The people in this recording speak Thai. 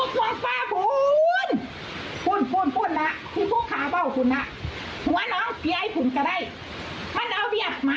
ตามภารกิจของหมอปลากันครับ